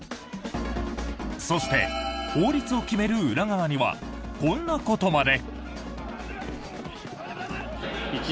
そして、法律を決める裏側にはこんなことまで。